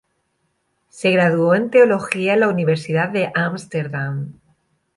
Se graduó en teología en la Universidad de Ámsterdam.